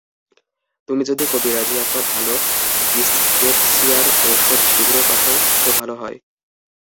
তুমি যদি কবিরাজী একটা ভাল ডিস্পেপসিয়ার ঔষধ শীঘ্র পাঠাও তো ভাল হয়।